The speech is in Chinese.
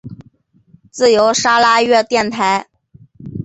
自由砂拉越电台。